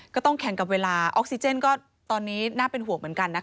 ก็ต้องแข่งกับเวลาออกซิเจนก็ตอนนี้น่าเป็นห่วงเหมือนกันนะคะ